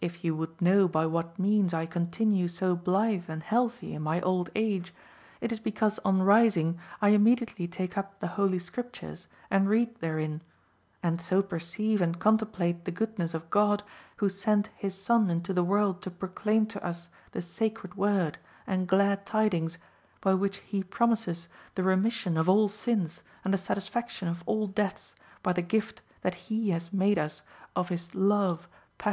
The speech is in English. If you would know by what means I continue so blithe and healthy in my old age, it is because on rising I immediately take up the Holy Scriptures (10) and read therein, and so perceive and contemplate the goodness of God, who sent His Son into the world to proclaim to us the Sacred Word and glad tidings by which He promises the remission of all sins and the satisfaction of all debts by the gift that He has made us of His love, passion, and merits.